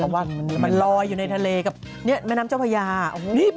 ทำไมตามนังเบี้ยว